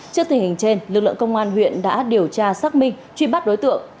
trước tình hình trên lực lượng công an huyện đã điều tra xác minh truy bắt đối tượng